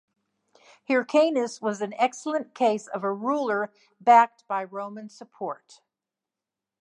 Hyrcanus was an excellent case of a ruler backed by Roman support.